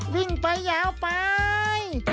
วิ่งไปยาวไป